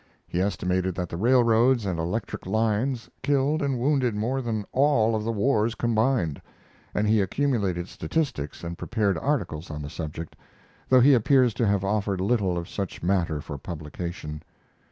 He estimated that the railroads and electric lines killed and wounded more than all of the wars combined, and he accumulated statistics and prepared articles on the subject, though he appears to have offered little of such matter for publication.